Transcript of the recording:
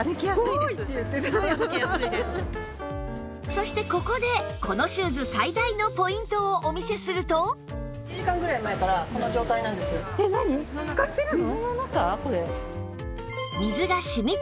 そしてここでこのシューズ最大のポイントをお見せするとして頂くと